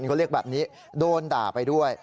เขาเรียกแบบนี้โดนด่าไปด้วย